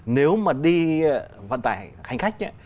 nếu mà đi vận tải hành khách